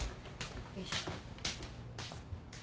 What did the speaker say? よいしょ。